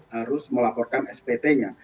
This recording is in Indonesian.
harus melaporkan spt nya